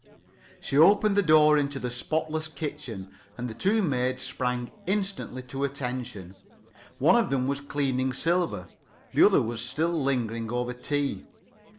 She opened the door into the spotless kitchen, and the two maids sprang instantly to attention. One of them was cleaning silver, the other was still lingering over tea.